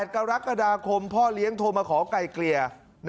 ๘กรกฎาคมพ่อเลี้ยงโทรมาขอไกลเกลี่ย